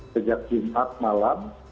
sejak jam empat malam